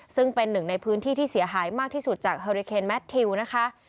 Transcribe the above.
ซึ่งเป็นหนึ่งในพื้นที่ที่เสียหายมากที่สุดจากเฮอริเคนแมททิวนะคะ